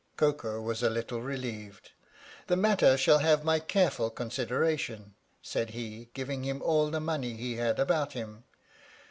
Koko was a little relieved. "The matter shall have my careful consideration," said he, giving him all the money he had about him.